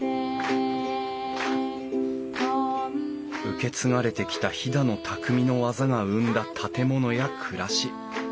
受け継がれてきた飛騨の匠の技が生んだ建物や暮らし。